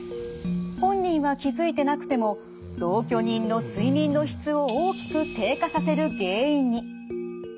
本人は気付いてなくても同居人の睡眠の質を大きく低下させる原因に。